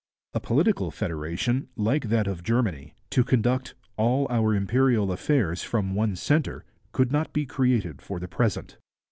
A political federation, like that of Germany, to conduct 'all our imperial affairs from one centre,' could not be created for the present.